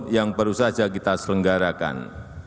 yang baru saja kita selenggarakan